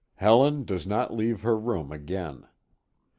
Helen does not leave her room again.